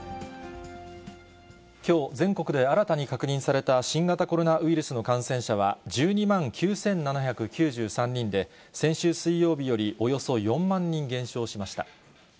きょう、全国で新たに確認された新型コロナウイルスの感染者は１２万９７９３人で、先週水曜日よりおよそ４万人減少しました。